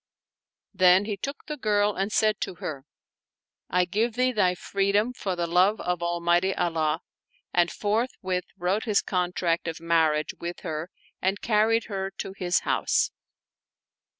Then he took the girl and said to her, " I give thee thy freedom for the love of Almighty Allah"; and forth with wrote his contract of marriage with her and carried her to his house.